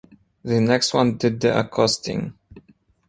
The next one did the accosting.